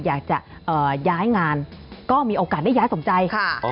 อยากจะย้ายงานก็มีโอกาสได้ย้ายสมใจค่ะ